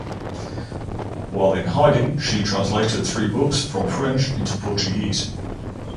While in hiding she translated three books from French into Portuguese.